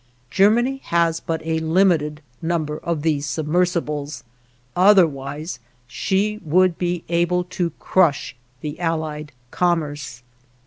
Germany has but a limited number of these submersibles, otherwise she would be able to crush the Allied commerce.